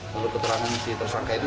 menurut keterangan si tersangka itu